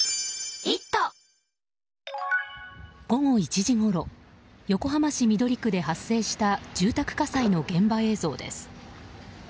午後１時ごろ横浜市緑区で発生した住宅火災の現場映像です。